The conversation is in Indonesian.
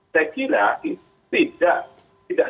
saya kira tidak